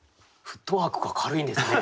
フットワークが軽いんですね